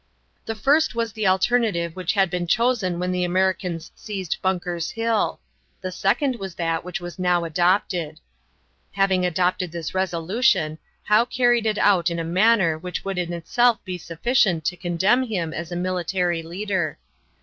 The first was the alternative which had been chosen when the Americans seized Bunker's Hill; the second was that which was now adopted. Having adopted this resolution, Howe carried it out in a manner which would in itself be sufficient to condemn him as a military leader.